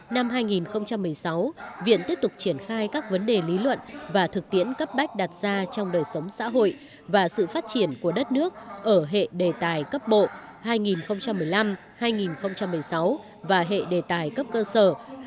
năm hai nghìn một mươi sáu viện tiếp tục triển khai các vấn đề lý luận và thực tiễn cấp bách đặt ra trong đời sống xã hội và sự phát triển của đất nước ở hệ đề tài cấp bộ hai nghìn một mươi năm hai nghìn một mươi sáu và hệ đề tài cấp cơ sở hai nghìn hai mươi một hai nghìn hai